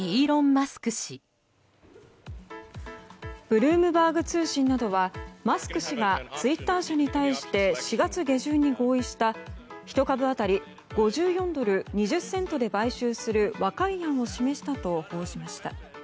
ブルームバーグ通信などはマスク氏がツイッター社に対して４月下旬に合意した１株当たり５４ドル２０セントで買収する和解案を示したと報じました。